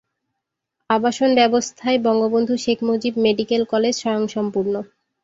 আবাসন ব্যবস্থায় Bangabandhu Sheikh Mujib medical college স্বয়ংসম্পূর্ণ।